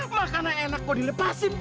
makanan enak kau dilepasin